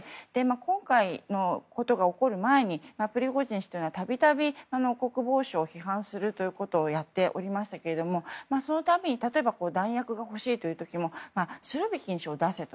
今回のことが起こる前にプリゴジン氏は度々、国防省を批判することをやっておりまししたがその度に例えば弾薬が欲しいという時もスロビキン氏を出せと。